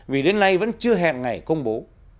vì đến nay vẫn chưa hẹn ngày công bố